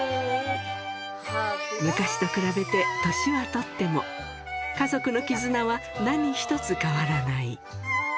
昔と比べて年は取っても、家族の絆は何一つ変わらない。